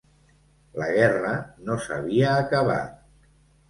La guerra no s'havia acabat.